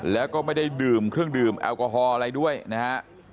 แล้วก็ไม่ได้ดื่มเครื่องดื่มแอลกอฮอล์อะไรด้วยนะฮะ